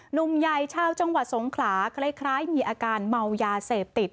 หนุมใยชาวจังหวัดสงขราใกล้มีอาการเมายาเสพติด